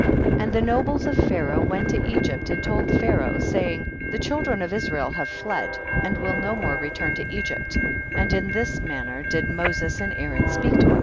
18. And the nobles of Pharaoh went to Egypt and told Pharaoh, say ing, the children of Israel have fled, and will no more return to Egypt, and in this manner did Moses and Aaron speak to us.